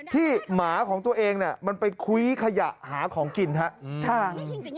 หมาของตัวเองเนี่ยมันไปคุ้ยขยะหาของกินครับ